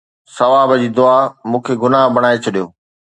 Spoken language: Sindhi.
ثواب جي دعا مون کي گناهه بڻائي ڇڏيو